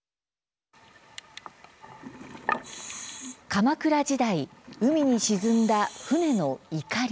鎌倉時代海に沈んだ船のいかり。